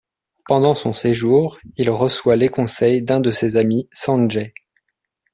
Pendant son séjour, il reçoit les conseils d'un de ses amis, Sanjay.